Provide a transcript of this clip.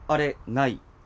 ない。